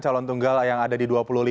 calon tunggal yang ada di dua puluh lima